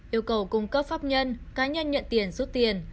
yêu cầu cung cấp pháp nhân cá nhân nhận tiền rút tiền